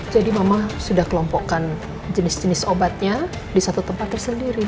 jadi mama sudah kelompokkan jenis jenis obatnya di satu tempat tersendiri